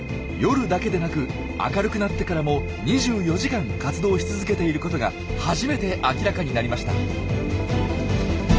夜だけでなく明るくなってからも２４時間活動し続けていることが初めて明らかになりました。